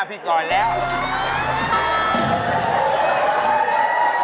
ถ้าเป็นปากถ้าเป็นปาก